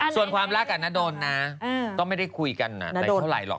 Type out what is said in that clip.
ส่วนความรักกับนาดนนะก็ไม่ได้คุยกันอะไรเท่าไหร่